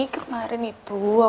kamu mau tau ga